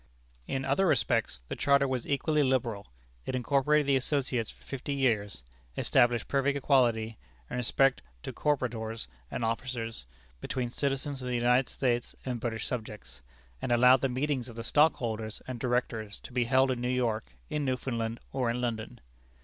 In other respects the charter was equally liberal. It incorporated the associates for fifty years, established perfect equality, in respect to corporators and officers, between citizens of the United States and British subjects, and allowed the meetings of the stockholders and directors to be held in New York, in Newfoundland, or in London.